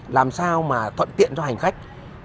làm sao thuận tiện cho hành khách